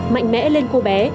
mạnh mẽ lên cô bé